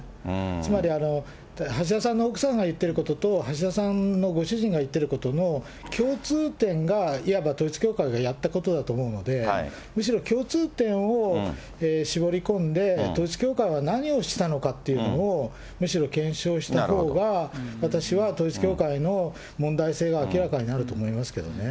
つまり、橋田さんの奥さんが言っていることと、橋田さんのご主人が言ってることの共通点が、いわば統一教会がやったことだと思うので、むしろ共通点を絞り込んで、統一教会は何をしたのかという部分を、むしろ検証したほうが、私は統一教会の問題性が明らかになると思いますけどね。